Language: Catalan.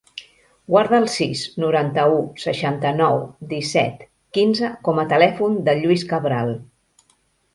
Guarda el sis, noranta-u, seixanta-nou, disset, quinze com a telèfon del Lluís Cabral.